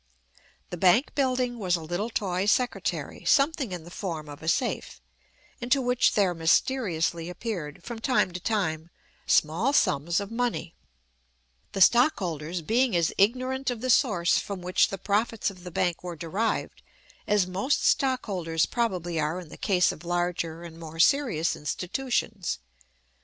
The bank building was a little toy secretary, something in the form of a safe, into which there mysteriously appeared, from time to time, small sums of money; the stockholders being as ignorant of the source from which the profits of the bank were derived as most stockholders probably are in the case of larger and more serious institutions.